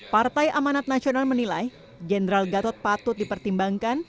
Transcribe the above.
partai amanat nasional menilai general gatot patut dipertimbangkan